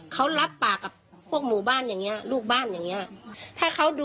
คือโลกตัวเห็นกัตจะเราทราบ